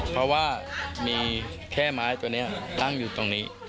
เพราะว่ามีแค่ไม้ตัวนี้ตั้งอยู่ตรงนี้